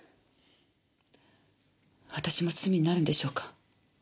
私も罪になるんでしょうか？